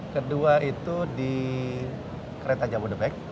kedua itu di kereta jabodebek